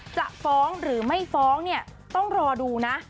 จะฟ้องหรือไม่ฟ้องเนี่ยต้องรอดูนะ